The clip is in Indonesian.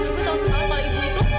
ibu takut ketauan kalau ibu itu